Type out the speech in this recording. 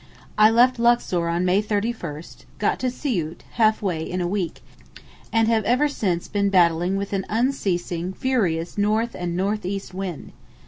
I left Luxor on May 31, got to Siout (half way) in a week, and have ever since been battling with an unceasing furious north and north east wind.